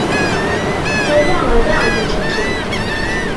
Ala, ala! Mačči akken.